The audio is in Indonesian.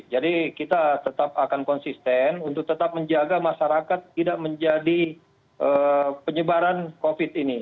jadi kita tetap akan konsisten untuk tetap menjaga masyarakat tidak menjadi penyebaran covid ini